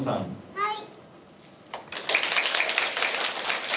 はい。